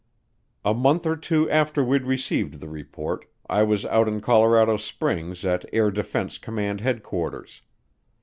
A month or two after we'd received the report, I was out in Colorado Springs at Air Defense Command Headquarters.